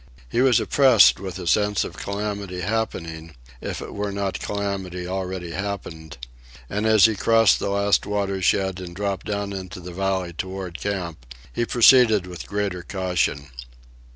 He was oppressed with a sense of calamity happening, if it were not calamity already happened; and as he crossed the last watershed and dropped down into the valley toward camp, he proceeded with greater caution.